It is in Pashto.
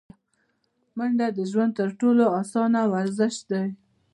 منډه د ژوند تر ټولو اسانه ورزش دی